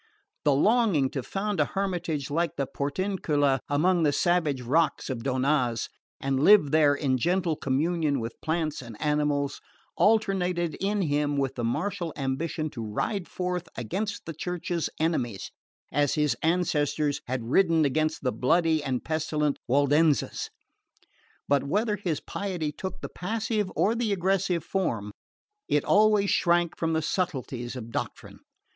The longing to found a hermitage like the Portiuncula among the savage rocks of Donnaz, and live there in gentle communion with plants and animals, alternated in him with the martial ambition to ride forth against the Church's enemies, as his ancestors had ridden against the bloody and pestilent Waldenses; but whether his piety took the passive or the aggressive form, it always shrank from the subtleties of doctrine.